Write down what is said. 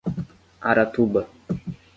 Aratuba